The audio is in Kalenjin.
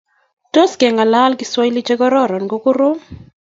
Tos kengalal kiswahili che kororon kokorom